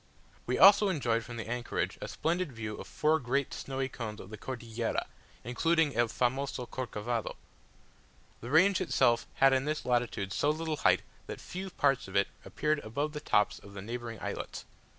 We also enjoyed from the anchorage a splendid view of four great snowy cones of the Cordillera, including "el famoso Corcovado;" the range itself had in this latitude so little height, that few parts of it appeared above the tops of the neighbouring islets.